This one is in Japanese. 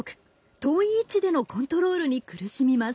遠い位置でのコントロールに苦しみます。